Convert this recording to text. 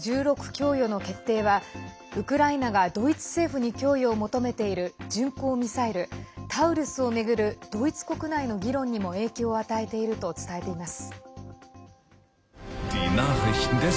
供与の決定はウクライナがドイツ政府に供与を求めている巡航ミサイル「タウルス」を巡るドイツ国内の議論にも影響を与えていると伝えています。